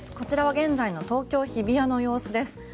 現在の東京・日比谷の様子です。